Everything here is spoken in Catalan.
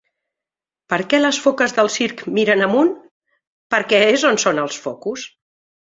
Per què les foques del circ miren amunt? Perquè és on són els focus.